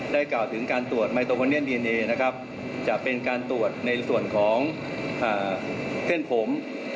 กล่าวถึงการตรวจไมโตโมเนียนดีเนนะครับจะเป็นการตรวจในส่วนของเส้นผม